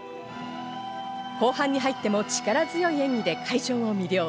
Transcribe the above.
後半に入っても力強い演技で会場を魅了。